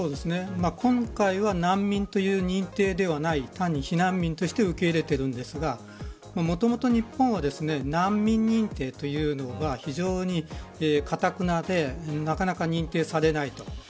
今回は難民という認定ではない単に避難民として受け入れているんですがもともと日本は難民認定というのが非常に、かたくなでなかなか認定されないと。